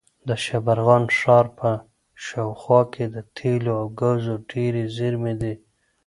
د شبرغان ښار په شاوخوا کې د تېلو او ګازو ډېرې زېرمې دي.